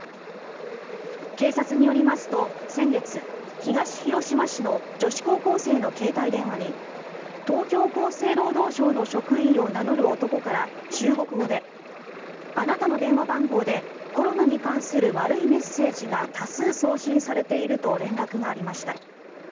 警察によりますと先月、東広島市の女子高校生の携帯電話に東京厚生労働省の職員を名乗る男から、中国語であなたの電話番号でコロナに関する悪いメッセージが多数送信されていると連絡がありました。